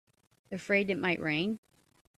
Afraid it might rain?